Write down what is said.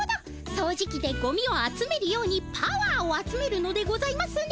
そうじきでゴミをあつめるようにパワーをあつめるのでございますね。